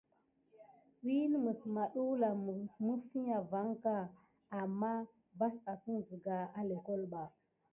Wine mis madulanki mifia vaŋ ka amà vas asine sika à léklole ɓa.